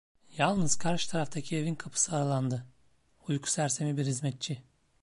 Yalnız karşı taraftaki evin kapısı aralandı, uyku sersemi bir hizmetçi.